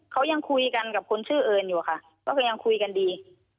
เขายังคุยกันกับคนชื่อเอิญอยู่ค่ะก็คือยังคุยกันดี